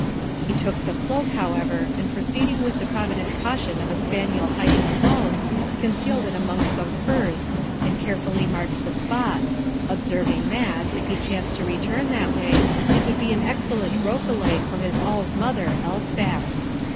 He took the cloak, however, and proceeding with the provident caution of a spaniel hiding a bone, concealed it among some furze and carefully marked the spot, observing that, if he chanced to return that way, it would be an excellent rokelay for his auld mother Elspat.